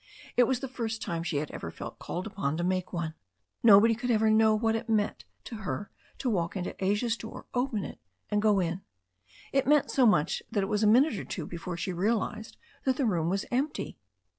It was the first time she had ever felt called upon to make one. Nobody could ever know what it meant to her to walk to Asia's door, open it and go in. It meant so much that it was a minute or two before she realized that the room was empty.